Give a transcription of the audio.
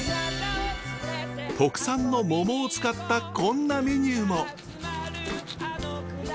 特産の桃を使ったこんなメニューも！